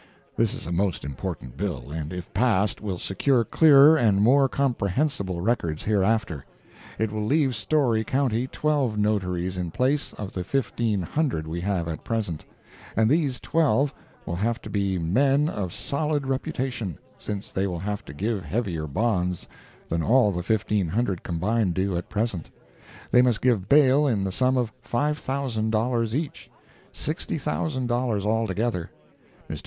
[This is a most important bill, and if passed will secure clearer and more comprehensible records hereafter. It will leave Storey county twelve Notaries in place of the fifteen hundred we have at present, and these twelve will have to be men of solid reputation, since they will have to give heavier bonds than all the fifteen hundred combined do at present; they must give bail in the sum of $5,000 each—$60,000 altogether. Mr.